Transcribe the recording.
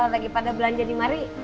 lagi pada belanja di mari